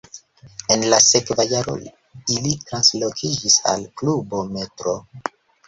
En la sekva jaro ili translokiĝis al klubo Metro.